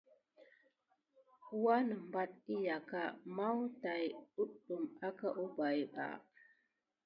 Wanəmbat əyaka mawu tat kudume aka umpay ba.